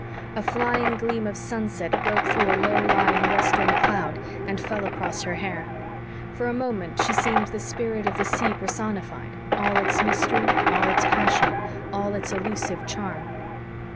A flying gleam of sunset broke through a low lying western cloud and fell across her hair. For a moment she seemed the spirit of the sea personified all its mystery, all its passion, all its elusive charm.